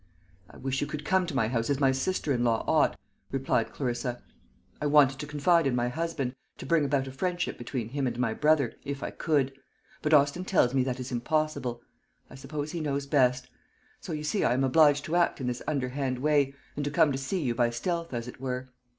"I wish you could come to my house as my sister in law ought," replied Clarissa. "I wanted to confide in my husband, to bring about a friendship between him and my brother, if I could; but Austin tells me that is impossible. I suppose he knows best. So, you see, I am obliged to act in this underhand way, and to come to see you by stealth, as it were."